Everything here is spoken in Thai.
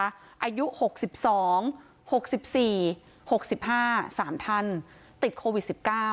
อายุ๖๒๖๔๖๕๓ท่านติดโควิด๑๙